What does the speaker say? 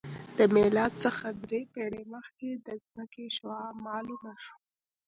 د میلاد څخه درې پېړۍ مخکې د ځمکې شعاع معلومه شوه